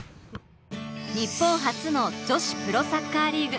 日本初の女子プロサッカーリーグ。